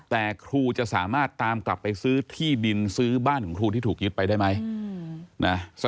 แต่ครูจะสามารถตามกลับไปซื้อที่ดินซื้อบ้านของครูที่ถูกยึดไปได้ไหม